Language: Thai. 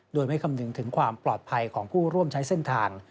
โดยไม่คำนึงถึงความปลอดภัยของผู้ร่วมใช้เส้นทาง